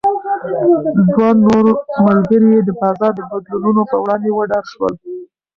دوه نور ملګري یې د بازار د بدلونونو په وړاندې وډار شول.